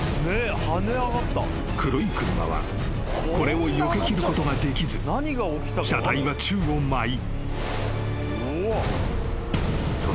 ［黒い車はこれをよけきることができず車体は宙を舞い］